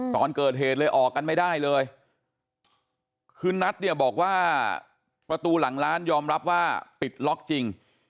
ตอนเกิดเหตุเลยออกกันไม่ได้เลยคือนัทเนี่ยบอกว่าประตูหลังร้านยอมรับว่าปิดล็อกจริง